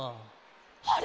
あれ！？